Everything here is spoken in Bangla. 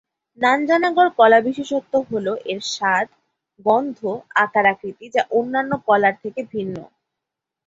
নাঞ্জানাগড় কলা বিশেষত্ব হল এর স্বাদ, গন্ধ, আকার-আকৃতি যা অন্যান্য কলার থেকে ভিন্ন।